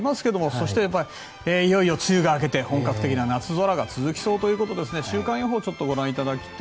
そして、いよいよ梅雨が明けて本格的な夏空が続きそうということで週間予報。